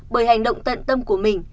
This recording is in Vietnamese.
bởi hành động tận tâm của mình